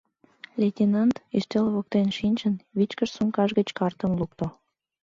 Лейтенант, ӱстел воктен шинчын, вичкыж сумкаж гыч картым лукто.